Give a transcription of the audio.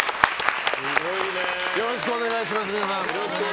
よろしくお願いします、皆さん。